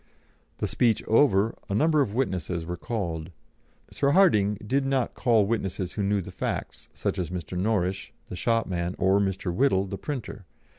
The speech over, a number of witnesses were called. Sir Hardinge did not call witnesses who knew the facts, such as Mr. Norrish, the shopman, or Mr. Whittle, the printer.